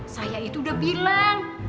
saya itu udah bilang